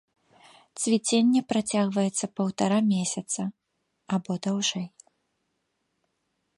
Цвіценне працягваецца паўтара месяца або даўжэй.